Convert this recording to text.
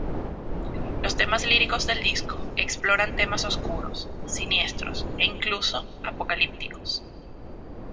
Los temas líricos del disco exploran temas oscuros, siniestros e incluso apocalípticos.